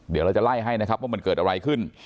เดี๋ยวเราจะไล่ให้นะครับว่ามันเกิดอะไรขึ้น